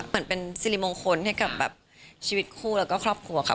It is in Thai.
มันเป็นสิริมงคลให้กับแบบชีวิตคู่แล้วก็ครอบครัวค่ะ